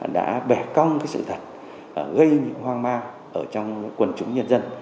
đã bẻ cong sự thật gây hoang ma ở trong quần chúng nhân dân